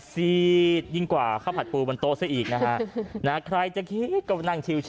ซีดยิ่งกว่าข้าวผัดปูบนโต๊ะซะอีกนะฮะใครจะคิดก็มานั่งชิว